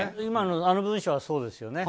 あの文章はそうですよね。